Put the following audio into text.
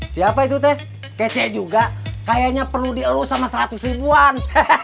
siapa itu teh kece juga kayaknya perlu dielus sama seratus ribuan